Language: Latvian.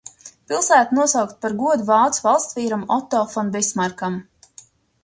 Pilsēta nosaukta par godu vācu valstsvīram Oto fon Bismarkam.